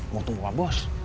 mau tunggu pak bos